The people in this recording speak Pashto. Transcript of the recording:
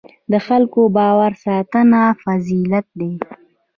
د خلکو باور ساتنه فضیلت دی.